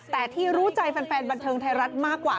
แต่ที่รู้ใจแฟนบันเทิงไทยรัฐมากกว่า